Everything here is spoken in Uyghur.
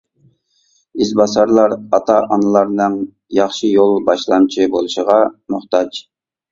«ئىزباسارلار» ئاتا-ئانىلارنىڭ ياخشى «يول باشلامچى» بولۇشىغا موھتاج.